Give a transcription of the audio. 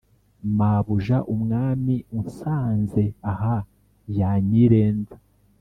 mabuja umwami unsanze aha yanyirenza